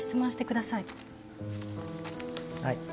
はい。